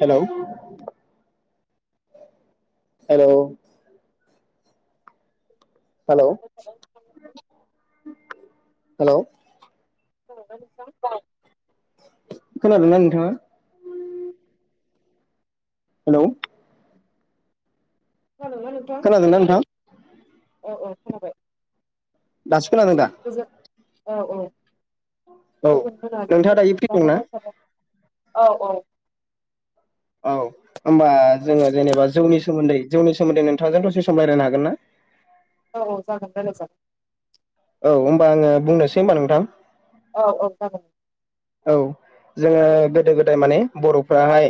Hello. Hello. औ hello खोनाबायना हेल'। [unintelligible] खोनादोंना नोंथाङा? हेल'। खोनादोंना नोंथां खोनादोंना नोंथां? औ औ खोनाबाय। दासो खोनादों दा? गोजोन औ औ औ नोंथाङा दायो फ्रि दंना [unintelligible] औ औ। औ। होमबा जोङो जेनेबा जौनि सोमोन्दै जौनि सोमोन्दै नोंथांजों दसे सम रायलायनो हागोन ना? औ औ जागोन रायलाय जागोन। औ होनबा आङो बुंनोसै होमबा नोंथां। औ औ जागोन औ। जोङो गोदो गोदाय माने बर'फ्राहाय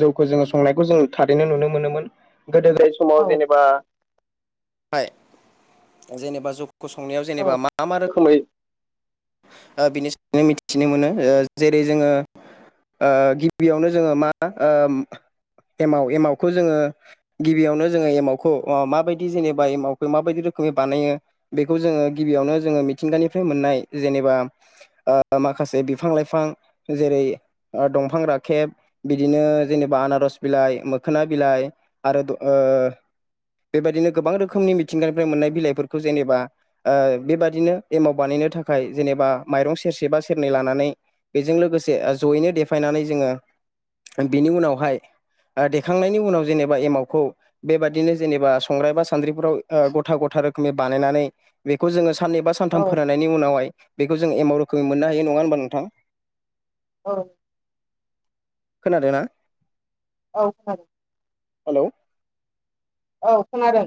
जौखौ जोङो संनायखौ जों थारैनो नुनो मोनोमोन। गोदो गोदाय औ समाव जेनेबा हाय जेनेबा जौ खौ संनायाव औ जेनेबा मा मा रोखोमै ओ बिनि सनो मिथिनो मोनो। ओ जेरै जोङो ओ गिबियावनो जोङो मा ओ एमाव एमावखौ जोङो गिबियावनो जोङो एमावखौ माबायदि जेनेबा एमावखौ माबायदि रोखोम रोखोमै बानायो बेखौ जोङो गिबियावनो जोङो मिथिंगानिफ्राय मोननाय जेनेबा ओ माखासे बिफां लाइफां जेरै दंफां राखेब बिदिनो जेनेबा आनारस बिलाइ मोखोना बिलाइ आरो बेबायदिनो गोबां रोखोमनि मिथिंगानिफ्राय मोननाय बिलाइफोरखौ जेनेबा ओ बेबादिनो एमाव बानाय बिनो थाखाय जेनेबा माइरं सेरसे बा सेरनै लानानै बेजों लोगोसे जयैनो देफायनानै जोङो बेनि उनावहाय देखांनायनि उनाव जेनेबा एमावखौ बेबादिनो जेनेबा संग्राइ बा सान्द्रिफोराव गथा गथा रोखोमै बानायनानै बेखौ जोङो साननैबा औ सानथाम फोरानानायनायनि उनावहाय बेखौ जों एमाव रोखोमै मोननो हायो नङा होनोमबा नोंथां औ खोनादों ना औ खोनादों हेल' औ खोनादों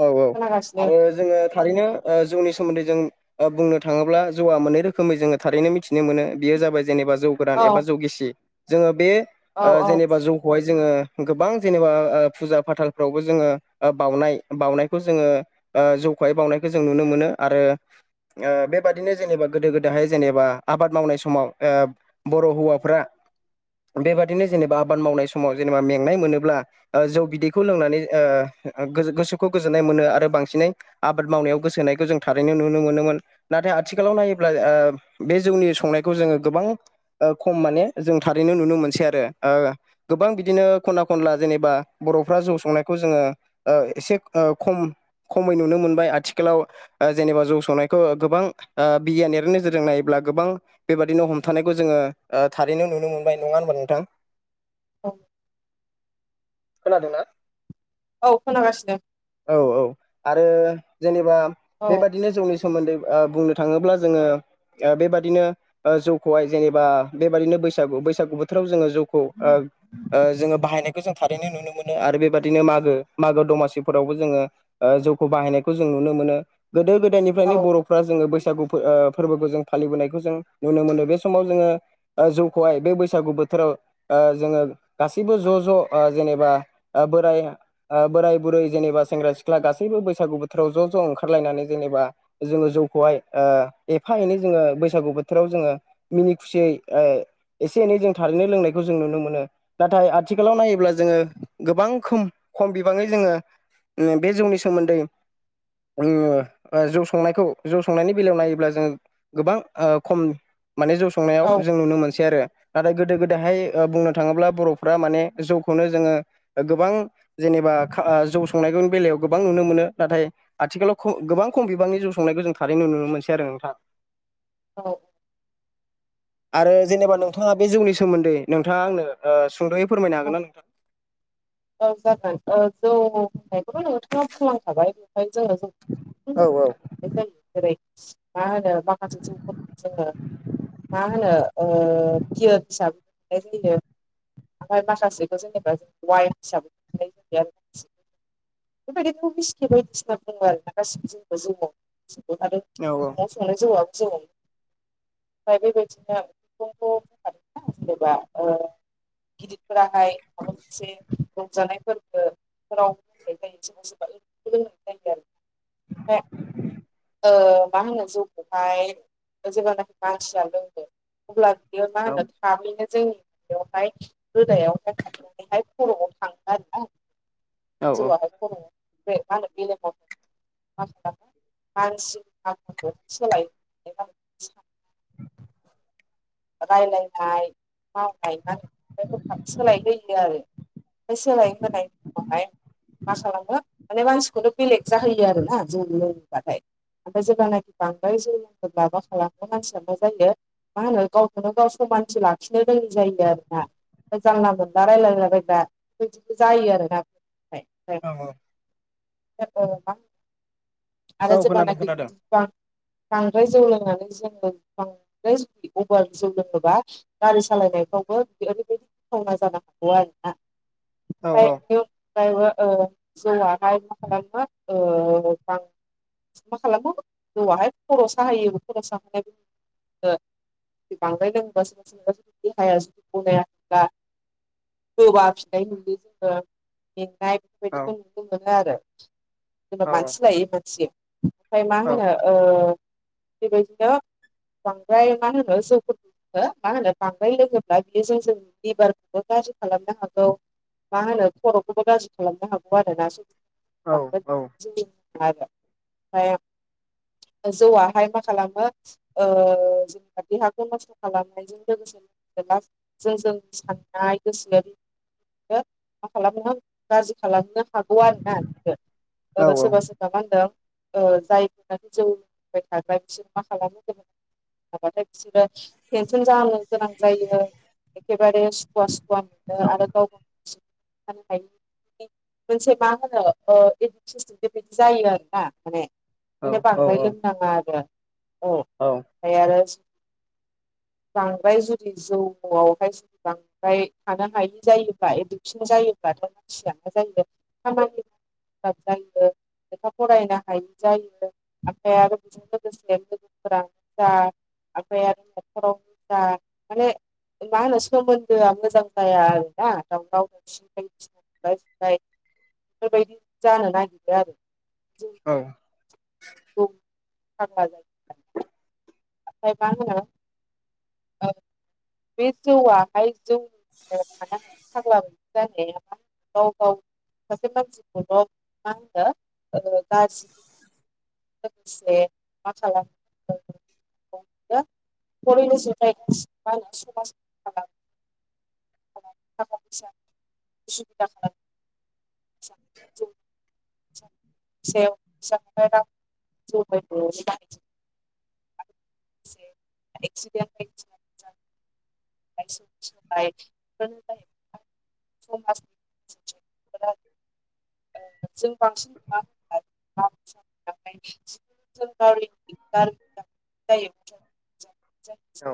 औ औ खोनागासिनो आरो जोङो थारैनो जौनि सोमोन्दै जों बुंनो थाङोब्ला जौआ मोननै रोखोमै जोङो थारैनो मिथिनो मोनो बेयो जाबाय जेनेबा जौ गोरान औ एबा जौ गिसि जोङो बे औ जेनेबा जौखौहाय जोङो गोबां जेनेबा फुजा फाथालफ्रावबो जोङो बाउनाय बावउनायखौ जोङो ओ जौखौहाय बावनायखौ जों नुनो मोनो आरो ओ बेबादिनो जेनेबा गोदो गोदायहाय जेनेबा आबाद मावनाय समाव ओ बर' हौवाफ्रा बेबादिनो जेनेबा आबाद मावनाय समाव जेनेबा मेंनाय मोनोब्ला जौ बिदैखौ लोंनानै ओ गोसो खौ गोजोन्नाय मोनो आरो बांसिनै आबाद मावनायाव गोसो होनायखौ जों थारैनो नुनो मोनोमोन नाथाय आथिखालाव नायोब्ला अब्ला ओ बे जौनि संनायखौ जोङो गोबां खम माने जों थारैनो नुनो मोनसै आरो ओ गोबां बिदिनो खना खनला जेनेबा बर'फ्रा जौ संनायखौ जोङो ओ एसे ओ खम खमै नुनो मोनबाय आथिखालाव ओ जेनेबा जौ सौनायखौ गोबां ओ बिगियानारि नोजोरजों नायोब्ला गोबां बेबायदिनो हमथानायखौ ओ जोङो थारैनो नुनो मोनबाय नङा होनबा नोंथां अ खोनादों ना औ खोनागासिनो औ औ आरो जेनेबा औ बेबायदिनो जोंनि सोमोन्दै ओ बुंनो थाङोब्ला जोङो बेबायदिनो जौखौहाय जेनेबा बेबायदिनो बैसागु बैसागु बोथोर जौ बाहायनायखौ थारैनो नुनो मोनो आरो बेबायदिनो मागो मागो दमासि फोराबो जों ओ जौखौ बाहायनायखौ जों नुनो मोनो गोदो औ गोदायनिफ्रायनो बर'फोरा जों बै बैसागु फोरबोखौ जों फालिबोनायखौ जों नुनो मोनो बे समाव जोङो जौखौहाय बे बैसागु बोथोर बोराव ओ जोङो गासैबो ज' ज' जेनेबा बोराय ओ बोराय बुरै जेनेबा सेंग्रा सिख्ला गासैबो बैसागु बोथोराव ज' ज' ओंखारलायनानै जेनेबा जोङो जौखौहाय ओ एफा एनै जोङो बैसागु बोथोराव जोङो मिनि खुसियै ओ एसे एनै जों थारैनो लोंनायखौ जों नुनो मोनो नाथाय आथिखालाव नायोब्ला जोङो गोबां खम खम बिबाङै जोङो बे जौनि सोमोन्दै जौ संनायखौ जौ संनायनि बेलायाव नायोब्ला जोङो गोबां खम माने जौ संनायाव औ जों नुनो मोनसै आरो। ना थाय गोदो गोदायहाय बुंनो थाङोब्ला बर'फ्रा माने जौखौनो जोङो गोबां जेनेबा जौ संनायनायनि बेलायाव गोबां नुनो मोनो नाथाय आथिखालाव गोबां खम बिबांनि जौ संनायखौ जों थारैनो नुनो मोनसै दो थां [inaudible] आरो जेनेबा नोंथाङा बे जौनि सोमोन्दै नोंथाङा आंनो सुंद'यै फोरमायनो हागोन ना नोंथां औ जागोन जौ नोंथाङा बुंलांखाबाय ओमफ्राय जोङो औ [unintelligible] जेरै मा होनो माखासे जौफोरखौ जोङो मा होनो बियो फिसा [unintelligible] ओमफ्राय माखासेखौ जेनेबा जों वाइन हिसाबै [unintelligible] बेबायदिथ' [unintelligible] बायदिसिना दङ आरोना गासिबो [unintelligible] जोंआव। खादों औ न'आव संनाय जौआ जौ ओमफ्राय बेबायदिनोखौ बुंखा जेनेबा गिदिरफोराहाय माबा मोनसे रंजानायफोरखौ राव [unintelligible] जायो सोरबा सोरबा रोंनाय जायो आरो [unintelligible] मा होनो जौखौहाय जेब्लानाखि मानसिया लोंदो अब्ला बेयो मा औ होनो थाबैनो जों बेयावहाय गोदायावहाय हाबनानैहाय खर'आव थाङो आरोना। औ औ जौआलाय खर'आव मा होनो मेलेमाव [unintelligible] मानसिनि [unintelligible] सोलायो [unintelligible] रायलायनाय मावनाय [unintelligible] सोलायलोयो आरो [unintelligible] मा खालामो माने मानसिखौथ' बेलेग जाहोयो आरोना [unintelligible] लोङोबाथाय ओमफ्राय जेब्लानाखि बांद्राय जौ [unintelligible] मानसिया मा जायो मा होनो गाव नो गाव समानसो लाखिनो रोङै जायो आरोना। जानला मोनला रायलायला बायग्रा बेबायदिबो जायो आरोना ओमफ्राय। औ [unintelligible] आरो औ खोनादों जेब्लानाखि खोनादों बांद्राय जौ लोङो जोङो [unintelligible] [unintelligible] जौ लोङोबा गारि सालायनायफ्रावबो [unintelligible] जानो हागौ आरोना। औ जौआ हाय मा खालामो [unintelligible] मा खालामो जौवाहाय खर' साहोयो खर' साहोनाय जुदि बांद्राय लोङोबा सोरबा सोरबा जुदि देहाया जुदि गनायाखैब्ला गोबा फिथाइ [unintelligible] जोङो मेंनाय औ बेफोरबायदिखौ नुनो मोनो आरो। जेनेबा औ मानसि लायो मानसि ओमफ्राय मा होनो बेबायदिबा बांद्राय मा होनो जौखौ मा होनो बांद्राय लोङोब्ला बियो [unintelligible] लिभारफोरखौ गाज्रि खालामनो हागौ। मा होनो खर'खौबो गाज्रि खालामनो हागौ आरोना औ औ [unintelligible] [unintelligible] जौआहाय मा खालामो देहाखौ नस्थ' खालामनायजों लोगोसे [unintelligible] साननाय गोसो मा खालामनो गाज्रि खालामनो हागौ औ आरोना औ सोरबा सोरबा मा होनदों जायफोरा जौ लोंबाय थाग्रा बिसोर मा खालामो [unintelligible] हाबाथाय सिबो टेनसन जाहानो गोनां जायो एखेबारे सुखुवा सुखुवा मोनो औ आरो गावनो [unintelligible] हायो मोनसे मा होनो इडुकेसम बेबायदि जायो आरोना माने बेनो बांद्राय लोंनाङा आरो औ औ ओमफ्राय आरो [inaudible] बांद्राय जुदि जौ आवहाय जुदि बांद्राय थानो हायै जायोबा एडुकसन जायो जायोबथाय' मानसिया मा जायो खामानि गोब्राब जायो लेखा फरायनो हायि जायो आमफ्राय आरो बिजों लोगोसे फोरानो जा ओमफ्राय आरो न'खरावनो जा माने मा होनो सोमोन्दोआ मोजां जाया आरोना दावराव दावसि बायदिसिना बुलाय सोलाय बेफोरबायदि जानो नागिरो आरो जौ औ [unintelligible] ओमफ्राय मा होनो ओ बे जौआहाय [unintelligible] सासे मानसिखौल' मा होनो ओ गाज्रि लोगोसे [unintelligible] [unintelligible] [unintelligible] [inaudible] [unintelligible] [unintelligible] [unintelligible] [unintelligible] जों बांसिन नुवा होनबा औ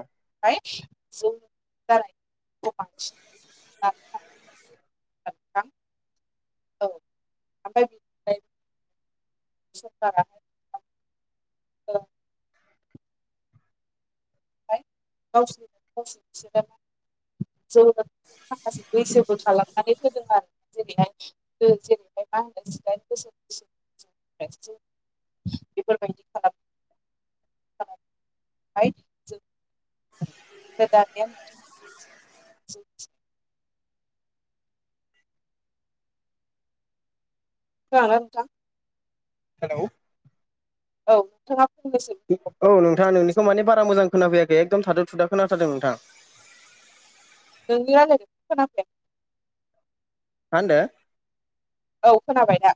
[unintelligible] [unintelligible] [unintelligible] [unintelligible] औ ओमफ्राय [unintelligible] गावसोर गावसोर [unintelligible] माखासे बैसोबो खालामनानै होदों आरो जेरैहाय जेरैहाय मा होनो सिदाय गोसो बेफोरबायदि खालाम [unintelligible] दानिया [unintelligible] नोंथां हेल' औ नोंथाङा फंनैसो औ नोंथाङा नोंनिखौ माने बारा मोजां खोनाफैयाखै एकदम थाथुदा खोनाथारदों नोंथां [unintelligible] मा होनदो औ खोनाबाय दा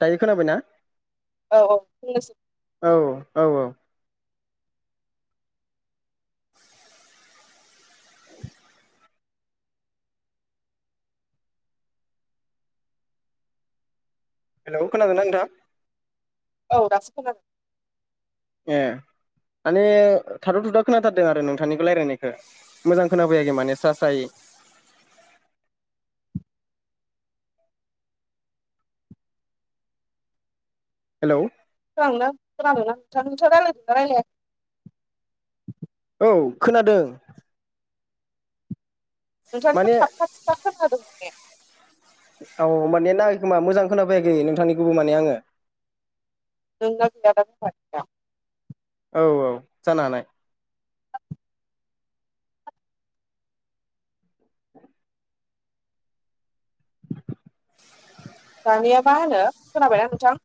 दायो खोनाबायना औ औ बुंनायसै औ औ औ हेलखोनादों ना नोंथां औ दासो खोनादों ए माने थाथ' थुदा खोनाथारदों आरो नोंथांनिखौ रायलायनायखौ मोजां खोनााफैयाखै माने स्रा स्रायै [inaudible] हेलौ [unintelligible] औ खोनादों नोंंथांनिखौ माने थाफथा थुबथा खोनादों माने औ औ ‌होमबा नेथ नांगाखै खोमा मोजां खोना फैयाखै नोंथांनिखौ आंगो [unintelligible] औ औ जानानै [inaudible] दानिया मा होनो खोनाबायना नोंथां?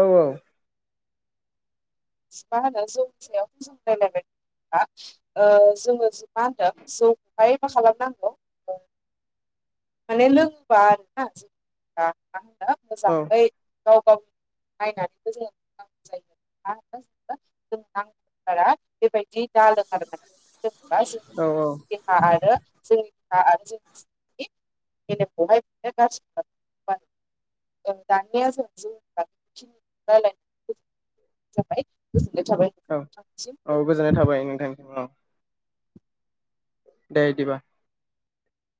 औ औ। मा होनो [unintelligible] हा ओ जोङो मा होनदों जौखौहाय मा खालामनांगौ? माने लोंङोबा आरोना [unintelligible] औ मोजाङै गाव गाव नायनानैबो जों [unintelligible] [unintelligible] बेबायदि दालों आरो [unintelligible] औ जेब्ला आरो [unintelligible] [unintelligible] जाबाय थाबाय औ नोंथांनिसिम औ गोजोननाय थाबाय नोंथां औ। दे इदिबा।